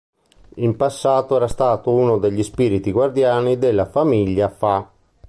In passato era stato uno degli spiriti guardiani della famiglia Fa.